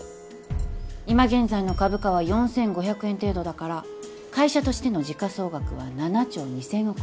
今現在の株価は４，５００円程度だから会社としての時価総額は７兆２，０００億円。